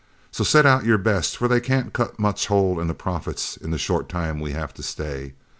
So set out your best, for they can't cut much hole in the profits in the short time we have to stay.